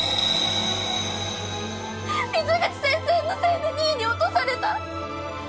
水口先生のせいで２位に落とされた。